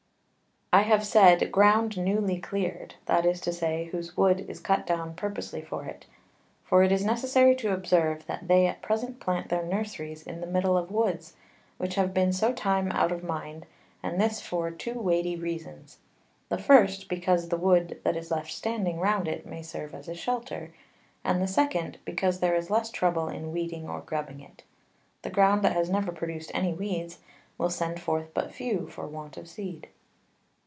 I have said, Ground newly cleared, that is to say, whose Wood is cut down purposely for it; for it is necessary to observe, that they at present plant their Nurseries in the middle of Woods, which have been so time out of mind, and this for two weighty Reasons: The First, because the Wood that is left standing round it, may serve as a Shelter; and the Second, because there is less Trouble in weeding or grubbing it. The Ground that has never produced any Weeds, will send forth but few, for want of Seed.